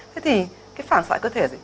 thế thì cái phản xạ cơ thể